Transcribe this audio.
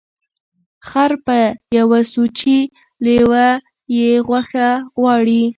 خر په پوه سوچی لېوه یې غوښي غواړي